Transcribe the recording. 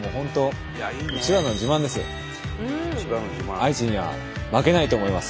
愛知には負けないと思います。